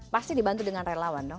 pasti dibantu dengan relawan dong